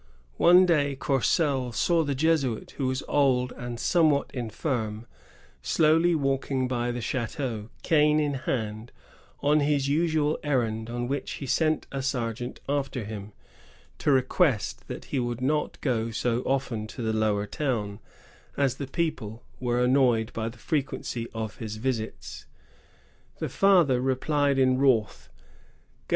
One day Courcelle saw the Jesuit, who was old and somewhat infirm, slowly walking by the ch&teau, cane in hand, on his usual errand, — on which he sent a sergeant after him to request that he would not go so often to the Lower Town, as the people were annoyed by the frequency of his visits. The father replied in wrath, " Go